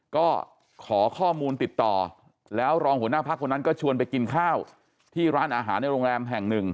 ก็ขอข้อมูลติดต่อแล้วรองหัวหน้าพักคนนั้นก็ชวนไปกินข้าวที่ร้านอาหารในโรงแรมแห่งหนึ่ง